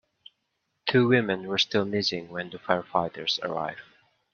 Two women were still missing when the firefighters arrived.